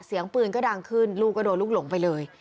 เสียงปืนก็ดังขึ้นลูกก็โดนลูกหลงไปเลย